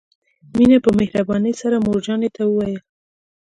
مينې په مهربانۍ سره مور جانې ته وويل.